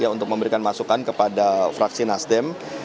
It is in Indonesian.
untuk memberikan masukan kepada fraksi nasdem